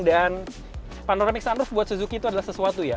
panoramic sunroof buat suzuki itu adalah sesuatu ya